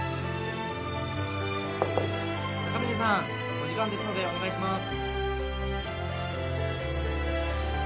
お時間ですのでお願いします。